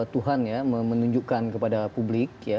tuhan menunjukkan kepada publik